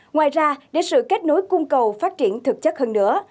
ngoài ra để sự kết nối cung cầu phát triển thực chất hơn nữa